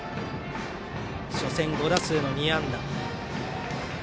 初戦５打数の２安打。